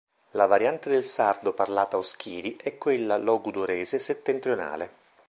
La variante del sardo parlata a Oschiri è quella logudorese settentrionale.